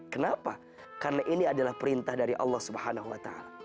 kenapa karena ini adalah perintah dari allah swt